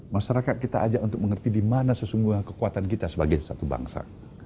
masyarakat kita ajak untuk mengerti di mana sesungguhnya kekuatan kita sebagai satu bangsa